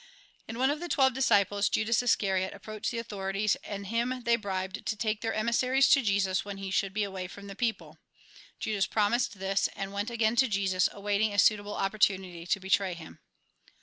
And one of the twelve disciples, Judas Iscariot, approached the authorities, and him they bribed to take their emissaries to Jesus when he should be away from the people. Judas promised this, and went again to Jesus, awaiting a suitable opportunity to betray him.